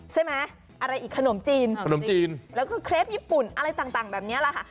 อะไรอีกขนมจีนขนมจีนแล้วก็เครปญี่ปุ่นอะไรต่างแบบนี้แหละค่ะ